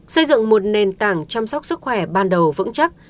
xây dựng một nền tảng chăm sóc sức khỏe ban đầu vững chắc